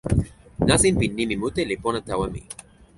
nasin pi nimi mute li pona tawa mi.